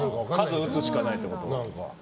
数打つしかないってこと。